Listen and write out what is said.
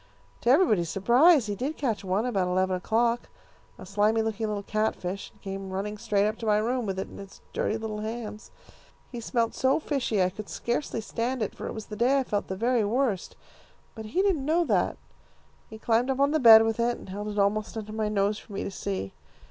To everybody's surprise he did catch one about eleven o'clock, a slimy looking little catfish, and came running straight up to my room with it in his dirty little hands. He smelled so fishy I could scarcely stand it, for it was the day I felt the very worst. But he didn't know that. He climbed up on the bed with it, and held it almost under my nose for me to see.